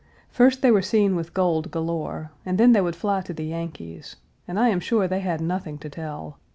First they were seen with gold galore, and then they would fly to the Yankees, and I am sure they had nothing to tell.